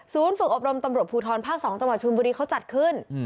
ฝึกอบรมตำรวจภูทรภาค๒จังหวัดชนบุรีเขาจัดขึ้น